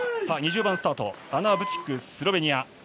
２０番スタートアナ・ブツィク、スロベニア。